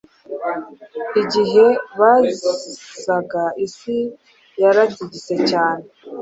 Igihe bazaga isi yaratigise cyane